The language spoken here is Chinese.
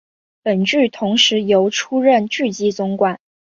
本剧同时由出任剧集主管。